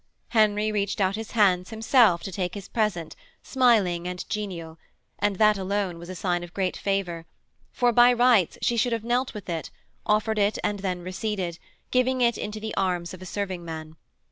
Henry reached out his hands, himself, to take his present, smiling and genial; and that alone was a sign of great favour, for by rights she should have knelt with it, offered it and then receded, giving it into the arms of a serving man.